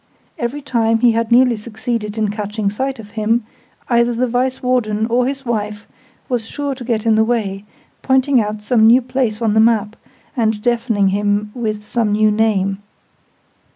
Every time he had nearly succeeded in catching sight of him, either the Vice Warden or his wife was sure to get in the way, pointing out some new place on the map, and deafening him with some new name.